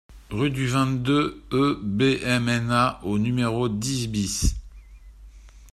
Rue du vingt-deux e BMNA au numéro dix BIS